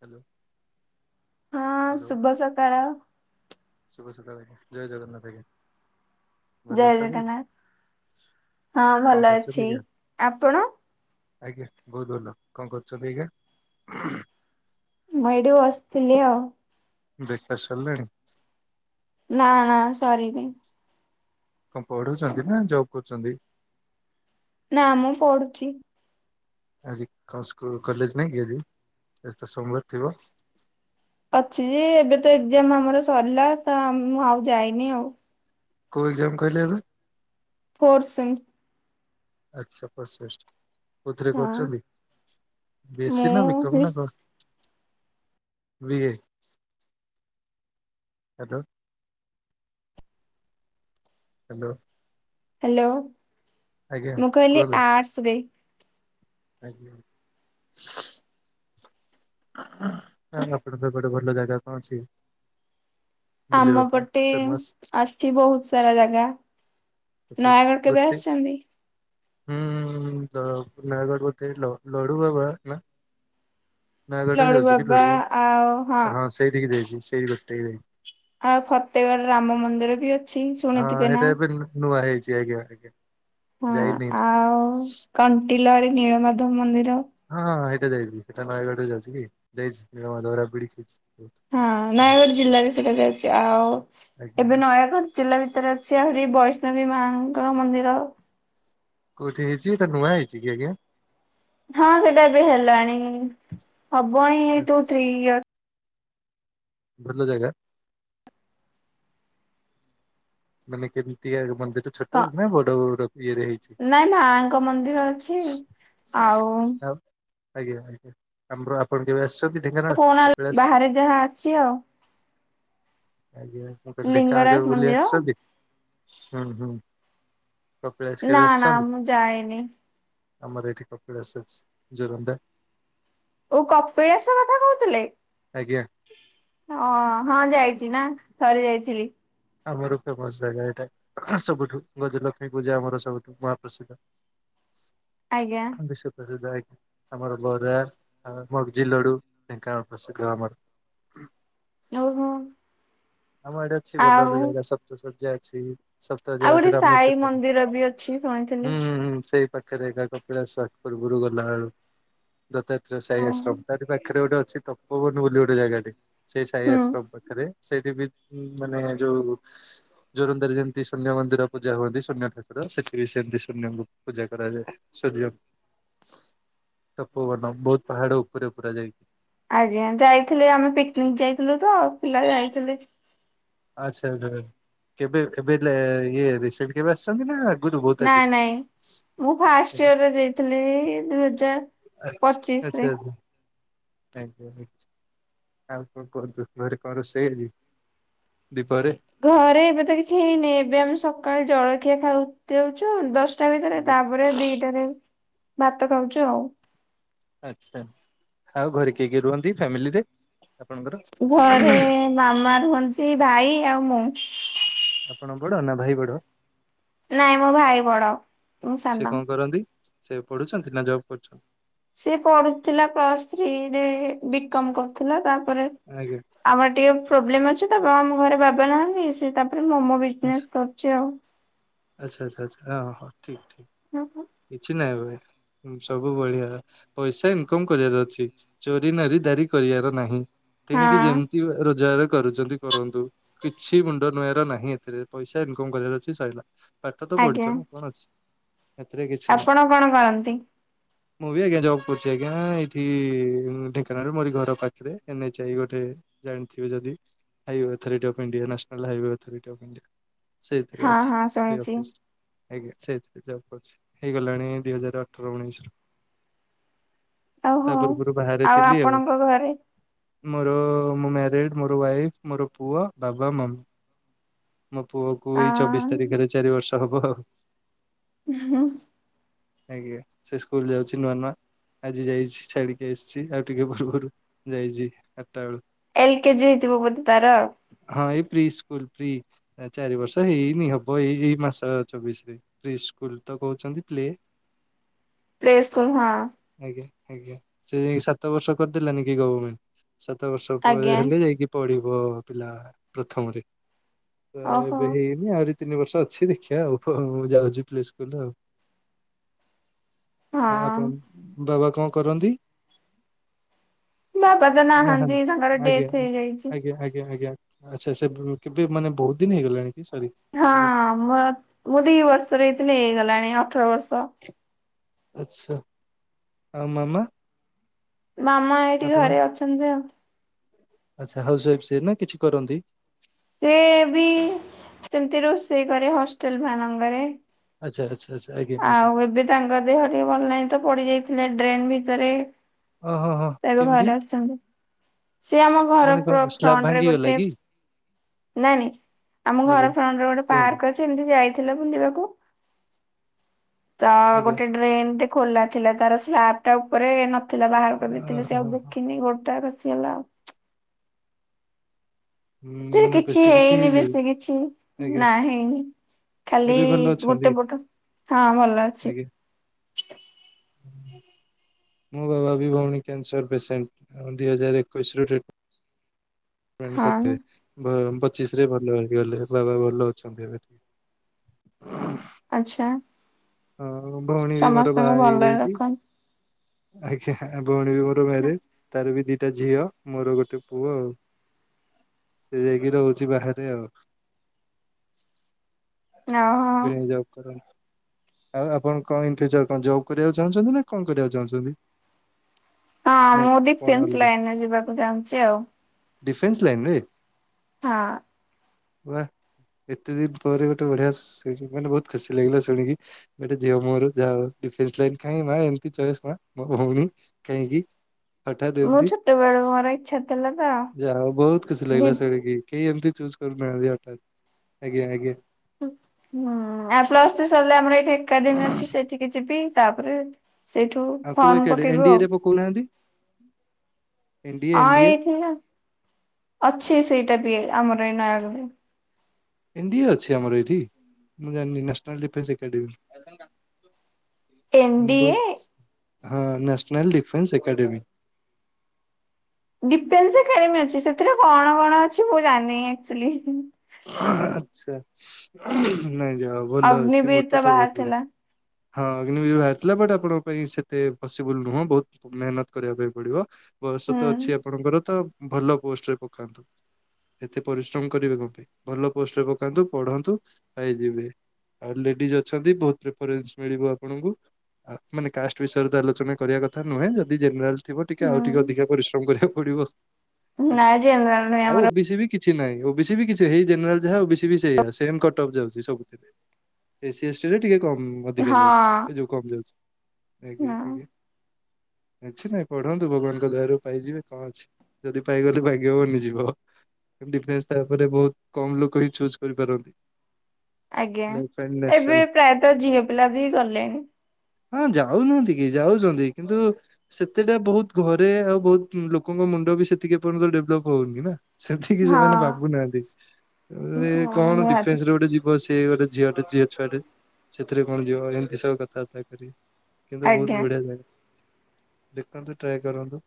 Hello. ହଁ hello ଶୁଭ ସକାଳ। ଶୁଭ ସକାଳ ଆଜ୍ଞା ଜୟ ଜଗନ୍ନାଥ ଆଜ୍ଞା। ଭଲ ଜୟ ଅଛନ୍ତି ଜଗନ୍ନାଥ ହଁ କଣ ଭଲ କରୁଛନ୍ତି ଅଛି ଆଜ୍ଞା? ଆପଣ? ଆଜ୍ଞା ବହୁତ ଭଲ କଣ କରୁଛନ୍ତି ଆଜ୍ଞା? ମୁଁ ଏଠି ବସିଥିଲି ଆଉ। ବେକାର ସରିଲାଣି। ନା ନା ସରିନି। କଣ ପଢ଼ୁଛନ୍ତି ନା ଜବ୍ କରୁଛନ୍ତି? ନା ମୁଁ ପଢୁଛି। ଆଜି କଣ ସ୍କୁଲ କଲେଜ ନାଇଁ କି ଆଜି ଆଜି ତ ସୋମବାର ଥିବ? ଅଛି ଯେ ଏବେ ତ ଏକଜାମ ଆମର ସରିଲା ତ ମୁଁ ଆଉ ଯାଇନି ଆଉ। କୋଉ ଏକ୍ଜାମ କହିଲେବେ? Fourth same. ଆଛା ପରସେଷ୍ଟ କଉଥିରେ ହଁ କରୁଛନ୍ତି ବେଶୀ ମୁଁ ନା ବିକମ ନା ହ୍ୟାଲୋ କର? ହ୍ୟାଲୋ। ହ୍ୟାଲୋ। ହ୍ୟାଲୋ ଆଜ୍ଞା ମୁଁ କହିଲି କୁହନ୍ତୁ ଆର୍ଟସରେ। ଆଜ୍ଞା। ହ ଆପଣ ପଟେ ଭଲ ଜାଗା କଣ ଅଛି? ବୁଲିବା ଆମ ପାଇଁ ପଟେ ଫେମସ? ଅଛି ବହୁତ ସାରା ଜାଗା। ନୟାଗଡ଼ କେବେ ଗୋଟେ ଆସିଛନ୍ତି? ହୁଁ ତ ନୟାଗଡ଼ ବୋଧେ ଲଡ଼ୁ ବାବା ନା ନୟାଗଡ଼ରେ ଲଡୁ ଯାଉଛିି କି ବାବା ଆଉ ଲଡ଼ୁବାବ ହଁ ସେଇଠିକି ଯାଇଛି [unintelligible] ଆଉ ଫତେଗଡ ରାମ ମନ୍ଦିର ବି ଅ ହଁ ହେଟା ଏବେ ନୂଆ ହେଇଛି ଆଜ୍ଞା ଆଜ୍ଞା ହଁ ଯାଇନି। ଆଉ କଣ୍ଟିଲରେ ନୀଳମାଧବ ମନ୍ଦିର। ହଁ ହଁ ହେଇଟା ଯାଇଛିି ହେଟା ନୟାଗଡ଼ ରେ ଯାଉଛି କି ଯାଇଛି ନୀଳମାଧବ ରାବିଡ଼ି ଖାଇଛି। ହଁ ନୟାଗଡ଼ ଜିଲ୍ଲାରେ ସେଟା ଯାଉଛି ଆଉ ଏବେ ଆଜ୍ଞା ନୟାଗଡ ଜିଲ୍ଲା ଭିତରେ ଅଛି ଆହୁରି ବୈଷ୍ଣବୀ ମାଙ୍କ ମନ୍ଦିର। କୋଉଠି ହେଇଛି ଏଟା ନୂଆ ହେଇଛି କି ଆଜ୍ଞା। ହଁ ସେଇଟା ଏବେ ହେଲାଣି ହବଣି ଏଇ ଟୁ ଆଚ୍ଛା, ଥ୍ରୀ ଇୟ ଭଲ ଜାଗା? ମାନେ କେମତିକା ମନ୍ଦିର? ଛୋଟ ତ ନା ବଡ ଇଏରେ ହେଇଛି ନାଇଁ ମାଙ୍କ ମନ୍ଦିର ଅଛି ଆଉ ଆଉ ଆଜ୍ଞା ଆଜ୍ଞା ଆମର ଆପଣ କେବେ ଆସିଛନ୍ତି? ଢେଙ୍କାନାଳ [unintelligible] କପିଳାସ ବାହାରେ ଯାହା ଅଛି ଆଉ। ଆଜ୍ଞା ମୁ କହିଲି ଢେଙ୍କାନାଳ ଲିଙ୍ଗରାଜ କେବେ ବୁଲି ମନ୍ଦିର ଆସିଛନ୍ତି? ହୁଁ ହୁଁ କପିଳାସ ନା କେବେ ନା ଆସିଛନ୍ତି? ମୁଁ ଯାଏନି ଆମର ଏଇଠି କପିଳାସ ଅଛି ଜୋରୋନ୍ଦା। ଓ କପିଳାସ କଥା କହୁଥିଲେ। ଆଜ୍ଞା। ଓ ହଁ ଯାଇଛି ନା ଥରେ ଯାଇଥିଲି। ଆମର ଫେମସ ଜାଗା ଏଇଟା ସବୁଠୁ ଗଜଲକ୍ଷ୍ମୀ ପୂଜା ଆମର ସବୁଠୁ ମହାପ୍ରସିଦ୍ଧ। ଆଜ୍ଞା। ବିଶ୍ୱ ପ୍ରସିଦ୍ଧ ଆଜ୍ଞା ଆମର ବରା ଆଉ ମଗଜି ଲଡ଼ୁ ଢେଙ୍କାନାଳ ପ୍ରସିଦ୍ଧ ଆମର। ଆଉ କ ଆମ ଏଇଠି ଅଛି ଭଲ ଭଲ ଜାଗା ସପ୍ତସବ୍ଜା ଅଛି। ଆଉ ଗୋଟେ ସାଇ ମନ୍ଦିର ବି ଅଛି [unintelligible] ଶୁଣିଥିଲି। ହୁଁ ହୁଁ ହୁଁ ସେଇପା। ପାଖରେ ଏକା କପିଳାସ ପୂର୍ବରୁ ଗଲାବେଳୁ ଦତ୍ତାତ୍ରୟ ସାହି ହଁ। ଆଶ୍ରମ ତାରି ପାଖରେ ଗୋଟେ ଅଛି। ତପୋବନ ବୋଲି ଗୋଟେ ଜାଗାଟେ ସେଇ ସାହି ହୁଁ। ଆଶ୍ରମ ପାଖରେ ସେଇଠି ବି ହୁଁ ମାନେ ଯୋଉ ଜୋରନ୍ଦାରେ ଯେମିତି ଶୂନ୍ୟ ମନ୍ଦିର ପୂଜା ହୁଅନ୍ତି ଶୂନ୍ୟ ଠାକୁର ସେଠି ବି ସେମିତି ଶୂନ୍ୟଙ୍କୁ ପୂଜା କରାଯାଏ। ସୂର୍ଯ୍ୟ ତପୋବନ ବହୁତ ପାହାଡ଼ ଉପରେ ପୁରା ଯାଇକି। ଆଜ୍ଞା ଯାଇଥିଲେ ଆମେ ପିକ୍ ନିକ୍ ଯାଇଥିଲୁ ତ ପିଲା ଯାଇଥିଲେ। ଆଚ୍ଛା ଆଚ୍ଛା କେବେ ଏବେ ଇଏ ରିସେଣ୍ଟ କେବେ ଆସିଛନ୍ତି ନା ଆଗରୁ ବହୁତ ନାଇଁ ଆଗରୁ? ନାଇଁ ମୁଁ ଫାଷ୍ଟଇୟରରେ ଯାଇଥିଲି ଦୁଇ ହଜାର ଆଛ ପଚିଶରେ। ଆଚ୍ଛା ଆଚ୍ଛା। ଆଜ୍ଞା ଆଉ କଣ କୁହନ୍ତୁ ଘରେ କଣ ରୋଷେଇ ଆଜି? ଦ୍ଵି ପହରେ। ଘରେ ଏବେ ତ କିଛି ହେଇନି ଏବେ ଆମେ ସକାଳେ ଜଳଖିଆ ଖାଉ ଦଉଛୁ ଦଶ ଟା ଭିତରେ ଆଜ୍ଞା ତାପରେ ଦିଟାରେ ଭାତ ଖାଉଛୁ ଆଉ। ଆଚ୍ଛା ଆଉ ଘରେ କିଏ କିଏ ରୁହନ୍ତି ଫ୍ୟାମିଲିରେ? ଆପଣଙ୍କର ଘରେ ମାମା ରୁହନ୍ତି ଭାଇ ଆଉ ମୁଁ। ଆପଣ ବଡ଼ ନା ଭାଇ ବଡ଼? ନାଇଁ ମୋ ଭାଇ ବଡ଼ ମୁଁ ସେ ସାନ। କଣ କରନ୍ତି? ସେ ଏବେ ପଢୁଛନ୍ତି ନା ଜବ୍ କରୁଛନ୍ତି। ସିଏ ପଢୁଥିଲା ପ୍ଲସ୍ ଥ୍ରୀ ରେ ବିକମ କରୁଥିଲା ତାପରେ ଆଜ୍ଞା। ଆମର ଟିକେ ପ୍ରୋବ୍ଲେମ ଅଛିତ ଆମ ଘରେ ବାବା ନାହାନ୍ତି ସେ ତାପରେ ମୋମୋ ଆଚ୍ଛା। ବିଜନେସ କରୁଛି ଆଉ। ଆଚ୍ଛା ଆଚ୍ଛା ଆଚ୍ଛା ହଁ ହଁ ଠିକ୍ ଠିକ୍। ହୁଁ ହୁଁ। କିଛି ନାହିଁ ଭାଇ ସବୁ ବଢିଆ। ପଇସା ଇନକମ କରିବାର ଅଛି ଚୋରି ନାରୀ ଦାରି କରିବାର ନାହିଁ। ତେଣିକି ଯେମିତି ରୋଜଗାର କରୁଚନ୍ତି କରନ୍ତୁ କିଛି ମୁଣ୍ଡ ନୁଆର ନାହିଁ ଏଥିରେ ପଇସା ଇନକମ କରିବାର ଅଛି ସରିଲା ପାଠ ତ ଆଜ୍ଞା ପଢିଛ ନା କଣ ଅଛି ଏଥିରେ କିଛି ନାହିଁ। ଆପଣ କଣ କରନ୍ତି? ମୁଁ ବି ଆଜ୍ଞା ଜବ୍ କରୁଚି ଆଜ୍ଞା ଏଇଠି ଢେଙ୍କାନାଳରେ ମୋରି ଘର ପାଖରେ ଏନ ଏଚ ଆଇ ଗୋଟେ ଜାଣିଥିବେ ଯଦି highway authority of India national highway authority of India. ସେଇଥିରେ ହଁ ଅଛି। ହଁ ସେଇ ଶୁଣିଛି ଅଫିସରେ। ଆଜ୍ଞା ସେଇଥିରେ ଜବ୍ କରୁଚି ହେଇଗଲାଣି ଦୁଇ ହଜାର ଅଠର ଉଣେଇଶ ରୁ। ଓହୋ ତା ପୂର୍ବରୁ ବାହାରେ ଥିଲି ଆଉ। ଆପଣଙ୍କ ଘରେ ମୋର ମୁଁ ମ୍ୟାରେଡ ମୋର ୱାଇଫ ମୋର ପୁଅ ବାବା ମମି। ମୋ ପୁଅକୁ ଆ ଏଇ ଚବିଶ ତାରିଖରେ ଚାରି ବର୍ଷ ହବ ଆଉ। ହୁଁ। ଆଜ୍ଞା ସେ ସ୍କୁଲ ଯାଉଚି ନୂଆ ନୂଆ। ଆଜି ଯାଇଚି ଛାଡିକି ଆସିଚି ଆଉ ଟିକେ ପୂର୍ବରୁ ଯାଇଚି ଆଠଟା ବେଳୁ। ଏଲ କେ ଜି ହେଇଥିବ ବୋଧେ ତାର। ହଁ ଏଇ ପ୍ରି ସ୍କୁଲ ପ୍ରି ଚାରି ବର୍ଷ ହେଇନି ହବ ଏଇ ଏଇ ମାସ ଚବିଶି ରେ। ପ୍ରି ସ୍କୁଲ ତ କହୁଚନ୍ତି ପ୍ଲେ ପ୍ଲେ ସ୍କୁଲ ହଁ। ଆଜ୍ଞା ଆଜ୍ଞା ସେ ସାତ ବର୍ଷ କରି ଦେଲାନିକି ଗଭର୍ଣମେଣ୍ଟ। ସାତ ବର୍ଷ ପରେ ଆଜ୍ଞା ହେଲେ ଯାଇକି ପଢିବ ପିଲା ପ୍ରଥମରେ। ତ ଓହୋ ଏବେ ହେଇନି ଆହୁରି ତିନି ବର୍ଷ ଅଛି ଦେଖିବା ଆଉ ମୁଁ ଯାଉଛି ପ୍ଲେ ସ୍କୁଲ ଆଉ। ଆଉ ହଁ। ଆପଣ ବାବା କଣ କରନ୍ତି। ବାବା ତ ନାହାନ୍ତି ତାଙ୍କର ଡେଥ ହେଇଯାଇଚି। ଆଜ୍ଞା ଆଜ୍ଞା ଆଚ୍ଛା ଆଚ୍ଛା କେବେ ମାନେ ବହୁତ ଦିନି ହେଇଗଲାଣି କି ସରି। ହଁ ମୁଁ ଦି ବର୍ଷର ହେଇଥିଲି ହେଇଗଲାଣି ଅଠର ବର୍ଷ। ଆଛା ଆଉ ମାମା। ମାମା ଏଇଠି ଆପଣ ଘରେ ଅଛନ୍ତି ଆଉ। ଆଚ୍ଛା ହାଉସୱାଇଫ୍ ନା କିଛି କରନ୍ତି। ସିଏ ବି ସେମିତି ରୋଷେଇ କରେ ହଷ୍ଟେଲ ମାନଙ୍କରେ। ଆଚ୍ଛା ଆଚ୍ଛା। ଆଚ୍ଛା ଆଜ୍ଞା ଆଜ୍ଞା ଆଉ ଏବେ ତାଙ୍କ ଦେହ ଟିକେ ଭଲ ନାହିଁ ତ ପଡି ଯାଇଥିଲେ ଡ୍ରେନ୍ ଭିତରେ। ଓ ହଁ ହଁ। ଏବେ କେମିତି ଘରେ ଆଛନ୍ତି ସିଏ ଆମ ଘର ମାନେ କଣ ସ୍ଲାବ ଫଣ୍ଟ ରେ ଭାଙ୍ଗିଗଲା ଗୋଟେ କି ନାଇଁ ନାଇଁ ଆମ ଘର ଆଜ୍ଞା ଫ୍ରଣ୍ଡ୍ରେ ଗୋଟେ କୁହନ୍ତୁ ପାର୍କ ଅଛି ଏମିତି ଯାଇଥିଲା ବୁଲିବାକୁ ତ ଆଜ୍ଞା। ଗୋଟେ ଡ୍ରେନ୍ ଟେ ଖୋଲା ଥିଲା ତାର ସ୍ଲାବ ଟା ଉପରେ ନ ଥିଲା ବାହାର କରିଦେଇଥିଲେ ସେ ଓହୋ ଆଉ ଦେଖିନେଇ ଗୋଡ ଟା ଖସିଗଲା ଆଉ। ଏ ମାନେ କିଛି ବେଶୀ ହେଇନି ବେଶୀ କିଛି ଆଜ୍ଞା ନାହିଁ। ଖାଲି ଏବେ ଭଲ ଅଛନ୍ତି ଗୋଟେ ପଟ ହଁ ଭଲ ଅଛି। ଆଜ୍ଞା। ମୋ ବାବା ବି ଭଉଣୀ କ୍ୟାନସର ପେସେଣ୍ଟ ଦୁଇ ହଜାର ଏକୋଇଶି ରୁ ଡେ ହଁ [unintelligible] ପଚିଶ ରେ ଭଲ ହେଇଗଲେ ବାବା ଭଲ ଅଛନ୍ତି ଏବେ। ଆଛା ହଁ ଭଉଣୀ ବି ମୋର ବାହା ସମସ୍ତଙ୍କୁ ଭଲରେ ହେଇଯାଇଛି ରଖନ୍ତୁ। ଆଜ୍ଞା, ଭଉଣୀ ବି ମୋର ମ୍ୟାରେଜ ତାର ବି ଦିଟା ଝିଅ ମୋର ଗୋଟେ ପୁଅ ଆଉ। ସେ ଯାଇକି ରହୁଛି ବାହାରେ ଆଉ। ଓହୋ [unintelligible] ଆଉ ଆପଣ କଣ ଜବ୍ କରିବାକୁ ଚାହୁଁଛନ୍ତି ନା କଣ କରିବାକୁ ଚାହୁଁଛନ୍ତି? ହଁ, ନା ମୁଁ କଣ ଡିଫେନ୍ସ ଅଲଗା ଲାଇନ ରେ ଯିବାକୁ ଚାହୁଁଛି ଆଉ। ଡିଫେନ୍ସ ଲାଇନରେ। ହଁ। ବା ଏତେ ଦିନ ପରେ ଗୋଟେ ବଢିଆ ଶଣ ମାନେ ବହୁତ ଖୁସି ଲାଗିଲା ଶୁଣିକି। ଗୋଟେ ଝିଅ ମୁହଁରୁ ଯାହା ହେଉ ଡିଫେନ୍ସ ଲାଇନ ପାଇଁ ଏମିତି ଚଏସ ମୋ ଭଉଣୀ। କାହିଁକିି। ହଠାତ ମୁଁ ଏମିତି ଛୋଟବେଳୁ ମୋର ଇଚ୍ଛା ଥିଲା ତ ଯାହା ହେଉ ବହୁତ ଖୁସି ଦି ଲାଗିଲା ଶୁଣିକି। କେହି ଏମିତି ଚୁଜ୍ କରୁନାହାନ୍ତି ହଠାତ। ଆଜ୍ଞା ହୁଁ, ଆ ପ୍ଲସ୍ ସରିଲେ ଆମର ଏଇଠି ଏକାଡେମି ଅଛି ସେଠିକି ଯିବି ତାପରେ। ସେଇଠୁ ଫରମ ପକେଇବୁ ଆଉ। କହୁନାହାନ୍ତି। ହଁ ଏଇଠି ଅଛି ସେଇଟା ବି ଆମର ଏଇ ନା ଏନ୍ଡିଇ ଅଛି ଆମର ଏଇଠି ମୁଁ ଜାଣିନି national defence academy. N D ବ ଏ ହଁ national defence academy. Defence academy ଅଛି ସେଥିରେ କଣ କଣ ଅଛି ମୁଁ ଜାଣିନି ଆଚୁଆଲି। ଆଛା ନାଇଁ ଯାଅ ଭଲ ଅଛି ଅଗ୍ନିବୀର ମୋଟ ତ ବହୁତ ବଢିଆ। ବାହାରିଥିଲା ହଁ ବାହାରିଥିଲା ବଟ୍ ଆପଣ ପାଇଁ ସେତେ ପସିବୁଲ ନୁହଁ ବହୁତ ମେହନତ କରିବା ପାଇଁ ପଡିବ। ବୟସ ହୁଁ ତ ଅଛି ଆପଣଙ୍କର ତ ଭଲ ପୋଷ୍ଟରେ ପକାନ୍ତୁ ଏତେ ପରିଶ୍ରମ କରିବେ କଣ ପାଇଁ। ଭଲ ପୋଷ୍ଟରେ ପକାନ୍ତୁ ପଢନ୍ତୁ ପାଇଯିବେ। ଆଉ ଲେଡିଜ ଅଛନ୍ତି ବହୁତ ପ୍ରିଫରେନ୍ସ ମିଳିବ ଆପଣଙ୍କୁ। ମାନେ କାଷ୍ଟ ବିଷୟରେ ଆଲୋଚନା କରିବା କଥା ନୁହେଁ ଯଦି ଜେନେରାଲ ଥିବ ଟିକେ ଆଉ ଟିକେ ଅଧିକା ହୁଁ। ପରିଶ୍ରମ କରିବାକୁ ପଡିବ ନା ଜେନେରାଲ ନୁହେଁ ଆଉ ଓ ଆମର ବି ସି ବି କିଛି ନାହିଁ ଓ ବି ସି ବି କିଛି ହେଇ ଜେନେରାଲ ଯାହା ଓ ବି ସି ସେଇ କଟ୍ ଅଫ୍ ଯାଉଛି ସବୁଥିରେ ଏ ସ ଏସ ଟିରେ ଟିକେ କ ଅଧିକା ଯାଉଛି ଏ ହଁ ଯୋଉ କମ ଯାଉଛି ଆଜ୍ଞା ହଁ ଆଜ୍ଞା। ନାଇଁ ପଢନ୍ତୁ ଭଗବାନଙ୍କ ଦୟାରୁ ପାଇଯିବେ କଣ ଅଛି। ଯଦି ପାଇଗଲେ ଭାଗ ବନିଯିବ ଡିଫେନ୍ସ ତାପରେ ବହୁତ କମ୍ ଲୋକ ହିଁ ଚୁଜ୍ କରିପାରନ୍ତି। ଆଜ୍ଞା ଲାଇଫ ଆଣ୍ଡ ଏବେ ନେସନ ପ୍ରାୟତଃ ଝିଅ ପିଲା ବି ଗଲେଣି। ହଁ ଯାଉନାହାନ୍ତି କି ଯାଉଛନ୍ତି କିନ୍ତୁ ସେତେଟା ବହୁତ ଘରେ ଆଉ ବହୁତ ଲୋକଙ୍କ ମୁଣ୍ଡ ବି ସେତିକି ପର୍ଯ୍ୟନ୍ତ ଡେଭଲପ୍ ହଉନି ନା। ସେତିକି ହଁ। ସେମାନେ ଭାବୁନାହାନ୍ତି ହଁ କଣ ନିହାତି ଡିଫେନ୍ସ ର ଗୋଟେ ଯିବ ସିଏ ଗୋଟେ ଝିଆଟେ ଝିଅଛୁଆଟେ ସେଥିରେ କଣ ଯିବ ଏମିତି ସବୁ କଥାବାର୍ତ୍ତା ହେଇପାରିବେ। କିନ୍ତୁ ବହୁତ ଆଜ୍ଞା ବଢିଆ ଜାଗା ଦେଖନ୍ତୁ ଟ୍ରାଏ କରନ୍ତୁ।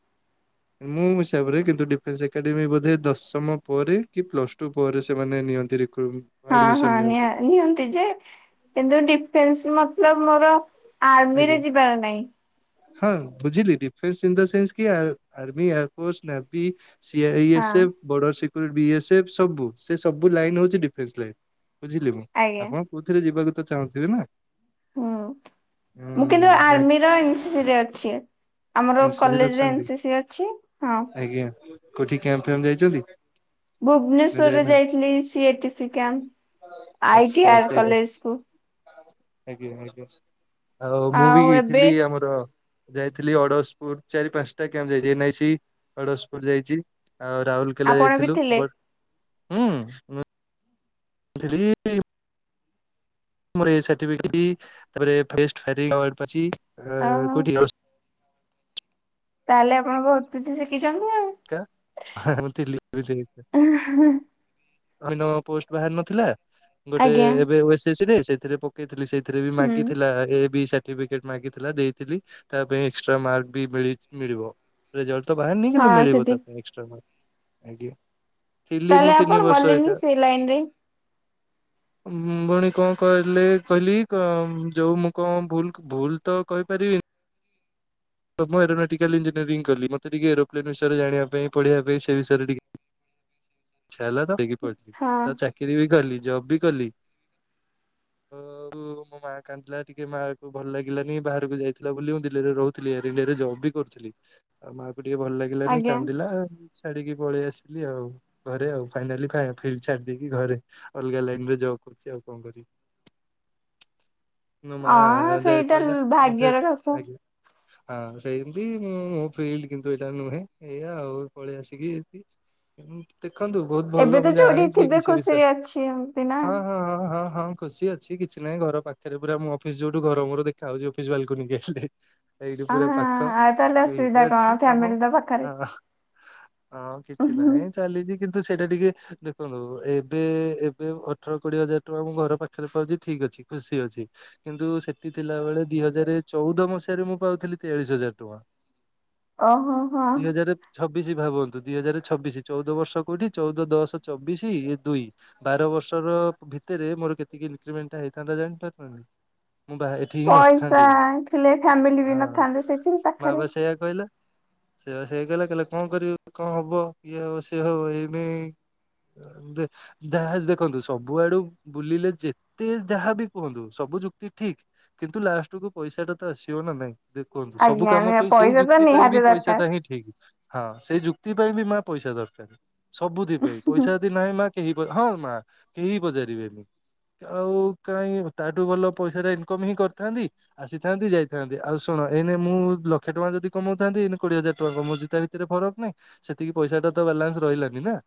ମୋ ହିସାବରେ କିନ୍ତୁ ଡିଫେନ୍ସ ଏକାଡେମୀ ବୋଧେ ଦଶମ ପରେ କି ପ୍ଲସ ଟୁ ଟୁ ପରେ ସେମାନେ ନିଅନ୍ତି। ହଁ ଆଡମିସନ ହଁ ନି ନିଅନ୍ତି ନିଅନ୍ତି ଯେ କିନ୍ତୁ ଡିଫେନ୍ସ ମତଲବ ମୋର ଆର୍ମି ଆଜ୍ଞା ରେ ଯିବାର ନାହିଁ। ହଁ ବୁଝିଲି ଡିଫେନ୍ସ ଇନ୍ ଦ ସେନ୍ସ କି army air force navy C I ହଁ ଏସ୍ ଏଫ ବର୍ଡର ସିକ୍ୟରି ବି ଏସ୍ଏଫ୍ ସବୁ ସେ ସବୁ ଲାଇନ ହଉଛି ଡିଫେନ୍ସ ଲାଇନ୍ ବୁଝିଲି ମୁଁ ଆଜ୍ଞା ଆପଣ କଉଥିରେ ଯିବାକୁ ତ ଚାହୁଁଥିବେ ନା? ହୁଁ ମୁଁ କିନ୍ତୁ ହୁଁ ଆର୍ମିର ଏସି ସ ରେ ଅଛି। ଆମର ଏ ଅ କଲେଜରେ ଏନସିସି ଅଛି ହଁ। ଆଜ୍ଞା କୋଉଠି୍ୟାମ୍ ଫ ଯାଇଛନ୍ତି ନା ଭୁବନେଶ୍ଵରରେ ଯାଇନାହାନ୍ତି ଯାଇଥିଲି ସି କ୍ୟାପ ଆଚ୍ଛା ଆଇ ସେଇଠି କଲେଜକୁ। ଆଜ୍ଞା ଆଜ୍ଞା ଆଉ ମୁଁ ବି ହେଇଥିଲି ଆମର ଯାଇଥିଲି ଅଡ ସ୍ପୋର୍ଟସ ଚାରି ପାଞ୍ଚଟା କ୍ୟାମ୍ପ ଯାଇଚି ଏନ ଆଇ ସି ଅଡ଼ଶପୁର ଯାଇଚି ଆଉ ରାହୁଲ କେଲା ଆପଣ ବି ଯାଇଥିଲୁ ଥିଲେ ବଟ ହୁଁ। [inaudible] ଓହୋ [unintelligible] ତାହେଲେ ଆପଣ ବହୁତ କିଛି ଶିଖିଛନ୍ତି ଆଉ। [unintelligible] ଅନ୍ୟ ପୋଷ୍ଟ ବାହାରି ନଥିଲା ଗୋଟେ ଆଜ୍ଞା ଏବେ ଓ ସି ସି ରେ ସେଥିରେ ପ କେଇଥିଲି ସେଇଥିରେ ବି ହୁଁ ମାଗିଥିଲା ଏ ବି ସା ର୍ଟିଫିକେଟ ମାଗିଥିଲା ଦେଇଥିଲି ତା ପାଇଁ ଏକ୍ସଟ୍ରା ମାର୍କ ବି ମିଳି ମିଳିବ। ରେଜଲ୍ଟ ତ ବାହାରି ନିଁ କିନ୍ତୁ ହଁ ମିଳି ସେଠି ଥିଲି ମୁଁ ତାହେଲେ ଆପଣ ତିନି ବର୍ଷ ଗଲେନି ହେକା। ସେଇ ଲାଇନ ରେ ମୁଁ ପୁଣି କଣ କଲି କହିଲି କ ଯୋଉ ମୁଁ କଣ ଭୁଲ କ ଭୁଲ ତ କହିପାରି ତ ମୁଁ ଏରୋନେଟିକାଲ ଇଞ୍ଜିନିୟରିଂ କଲି ମୋତେ ଟିକଏ ଏରୋପ୍ଲେନ୍ ବିସୟରେ ଜାଣିବା ପାଇଁ ପଢ଼ିବା ପାଇଁ ସେ ବିଷୟରେ ଟିକେ ଛା ହେଲା ତ ଦେଇକି ପଡିଲି ହଁ ତ ଚାକିରିୀ ବି କଲି ଜବ ବି କଲି। ତ ଆଉ ମୋ ମାଆ କାନ୍ନ୍ଦିଲା ଟିକେ ମାକୁ ଭଲ ଲାଗିଲାନି ବାହାରକୁ ଯାଇଥିଲା ବୋଲି ମୁଁ ଦିଲ୍ଲୀରେ ରହୁ ଥିଲି ଏୟାର ଇଣ୍ଡିଆରେ ଜବ୍ ବି କରୁଥିଲି ଆଉ ମାଆ କୁ ଟିକେ ଭଲ ଲାଗିଲାନି ଆଜ୍ଞା। କାନ୍ଦିଲା ଛାଡିକି ପଳେଇ ଆସିଲି ଆଉ ଘରେ ଆଉ ଫାଇନାଲି ଫା ଫିଲ୍ଡ୍ ଛାଡି ଦେଇକି ଘରେ। ଅଲଗା ଲାଇନରେ ଜବ କରୁଛି ଆଉ କଣ କରିବି। ମୋ ମା ଅ ଯାଇ ସେଇଟା କହିଲା ମତେ ଭାଗ୍ୟର କଥା। ଆଜ୍ଞା ହଁ ସେମିତି ମୁଁ ମୋ ଫିଲ୍ଡ୍ କିନ୍ତୁ ଏଇଟା ନୁହେଁ ଏଇଆ ଆଉ ପଳେଇ ଆସିକି ଏଇଠି ଦେଖନ୍ତୁ ବହୁତ ଏବେ ଭଲ ତ ମୁଁ ଯୋଉଠି ଜାଣିଛି ଥିବେ ବି ସେ ବିଷୟରେ ଖୁସିରେ ଅଛି ଏମତି ନା। ହଁ ହଁ ହଁ ହଁ ହଁ। ଖୁସି ଅଛି କିଛି ନାହିଁ ଘର ପାଖରେ ପୁରା ମୁଁ ଅଫିସ ଯୋଉଠୁ ଘର ମୋର ଦେଖା ହାଉଛି ଅଫିସ ବାଲକୁନିକୁ ଆସିଲେ। ଏଇଠି ଆ ପୁରା ପାଖ ଆଉ ତାହେଲେ ଅସୁବିଧା ଏଇଠି କଣ ଅଛି କାମ ଫ୍ୟାମିଲି ତ ପାଖରେ। ହଁ। ହଁ କିଛି ନାହିଁ। ଚାଲିଛି କିନ୍ତୁ ସେଇଟା ଟିକେ ଦେଖନ୍ତୁ ଏବେ ଏବେ ଅଠର କୋଡିଏ ହଜାର ଟଙ୍କା ମୁଁ ଘର ପାଖରେ ପାଉଛି ଠିକ୍ ଅଛି ଖୁସି ଅଛି। କିନ୍ତୁ ସେଠି ଥିଲା ବେଳେ ଦି ହଜାର ଚଉଦ ମସି ହାରେ ମୁଁ ପାଉଥିଲି ତେୟାଳିଶ ହଜାର ଟଙ୍କା ଓହୋ ହଁ। ଦି ହଜାର ଛବିଶି ଭାବନ୍ତୁ ଦିଇ ହଜାର ଛବିଶି ଚଉଦ ବର୍ଷ କୋଉଠି ଚଉଦ ଦଶ ଚବିଶି ଇଏ ଦୁଇ ବାର ବର୍ଷର ର ଭିତରେ ମୋର କେତିକି ଇନକ୍ରିମେଣ୍ଟ ହେଇଥାନ୍ତା ଜାଣି ପାରୁଚନ୍ତି ମୁଁ ବାହା ପଇସା ଥିଲେ ଫ୍ୟାମିଲି ବି ହଁ ନଥାନ୍ତେ ସେଠି ପାଖରେ। ସେଇଆ କହିଲ। ସେୟା ବା ସେଇଆ କହିଲା କହିଲା କଣ କରିବି କଣ ହବ ଇଏ ହବ ସିଏ ହବ ଏଇମି [inaudible] ଯାହା ଦେଖନ୍ତୁ ସବୁଆଡୁ ବୁଲିଲେ ଯେତେ ଯାହାବି କୁହନ୍ତୁ ସବୁ ଯୁକ୍ତି ଠିକ କିନ୍ତୁ ଲାଷ୍ଟ କୁ ପଇସାଟା ତ ଆସି ବ ନା ନାଇଁ ଦେଖନ୍ତୁ ସବୁ କାମ ଆଜ୍ଞା ପାଇଁ ସେଇ ପଇସା ତ ଯୁକ୍ତି ପାଇଁ ବି ନିହାତି ପଇସା ଦରକାର। ଟା ହିଁ ଠିକ। ହଁ ସେଇ ଯୁକ୍ତି ପାଇଁ ବି ମା ପଇସା ଦରକାର ସବୁଥିପାଇ ପଇସା ଯଦି ନାହିଁ ମା କେହି ପ ହଁ ମା କେହି ପଚାରିବେନି। ଆଉ କାହିଁ ତାଠୁ ଭଲ ପଇସା ଟା ଇନକମ ହିଁ କରିଥାନ୍ତି ଆସିଥାନ୍ତି ଯାଇ ଥାନ୍ତି ଆଉ ଶୁଣ ଏଇନେ ମୁଁ ଲକ୍ଷେ ଟଙ୍କା ଯଦି କମାଉଥାନ୍ତି ଏଇନ କୋଡିଏ ହଜାର ଟଙ୍କା କମଉଚି ତା ଭିତରେ ଫରକ ନାଇଁ। ସେତିକି ପଇସା ଟା ତ ବାଲାନ୍ସ ରହିଲାନି ନା।